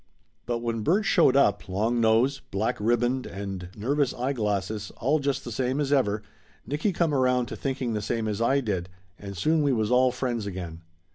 But when Bert showed up, long nose, black ribband and nervous eyeglasses, all just the same as ever, Nicky come around to thinking the same as I did, and soon we was all friends again.